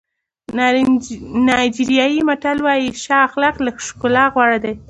نایجیریایي متل وایي ښه اخلاق له ښکلا غوره دي.